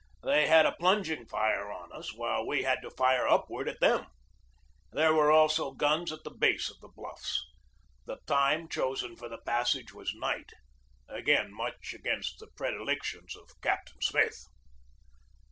They had a plunging fire on us, while we had to fire upward at them. There were also guns at the base of the bluffs. The time chosen for the passage was night, again much against the predilec tions of Captain Smith.